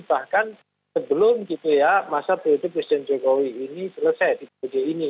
bahkan sebelum gitu ya masa periode presiden jokowi ini selesai di periode ini